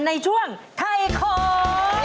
ในช่วงไทยของ